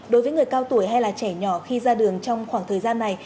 đối với người cao tuổi hay là trẻ nhỏ khi ra đường trong khoảng thời gian này